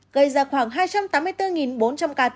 gây ra khoảng hai trăm tám mươi bốn bốn trăm linh ca tử